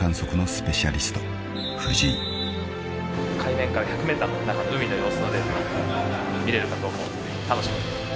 海面から１００ｍ中の海の様子まで見れるかと思うので楽しみです。